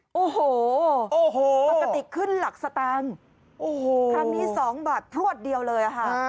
โอ้โหปกติขึ้นหลักสตางค์โอ้โหครั้งนี้สองบาทพลวดเดียวเลยอะค่ะ